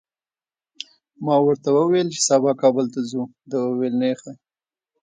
ما ورته وویل چي سبا کابل ته ځو، ده وویل نېخه!